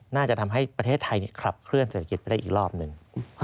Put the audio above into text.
น่าจะทำให้ประเทศไทยขับเคลื่อเศรษฐกิจไปได้อีกรอบหนึ่ง